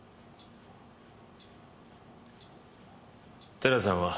寺さんは？